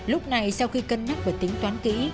lúc này sau khi cân nhắc và tính toán kỹ